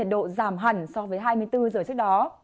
độ giảm hẳn so với hai mươi bốn giờ trước đó